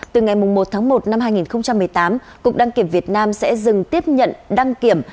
từ ngày một tháng một năm hai nghìn một mươi tám cục đăng kiểm việt nam sẽ dừng tiếp nhận đăng kiểm